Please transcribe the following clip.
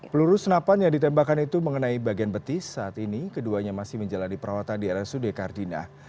peluru senapan yang ditembakkan itu mengenai bagian betis saat ini keduanya masih menjalani perawatan di rsud kardinah